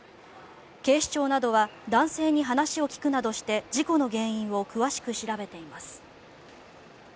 警視庁などは男性に話を聞くなどして事故の原因を詳しく調べています。